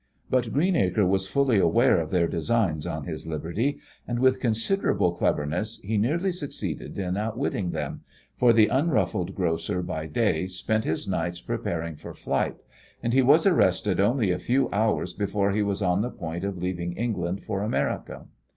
But Greenacre was fully aware of their designs on his liberty, and with considerable cleverness he nearly succeeded in outwitting them, for the unruffled grocer by day spent his nights preparing for flight, and he was arrested only a few hours before he was on the point of leaving England for America.